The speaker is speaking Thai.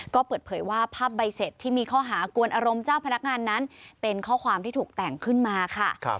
ก็เปิดเผยว่าภาพใบเสร็จที่มีข้อหากวนอารมณ์เจ้าพนักงานนั้นเป็นข้อความที่ถูกแต่งขึ้นมาค่ะ